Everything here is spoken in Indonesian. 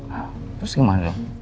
hah terus gimana dong